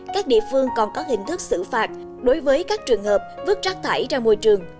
các địa phương còn có hình thức xử phạt đối với các trường hợp vứt rác thải ra môi trường